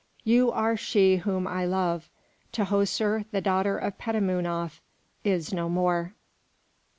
You are she whom I love; Tahoser, the daughter of Petamounoph is no more."